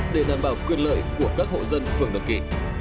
để đảm bảo quyền lợi của các hộ dân phường đồng kỳ